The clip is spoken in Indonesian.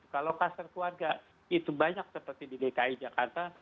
kalau kluster keluarga itu banyak seperti di dki jakarta